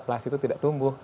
aplasi itu tidak tumbuh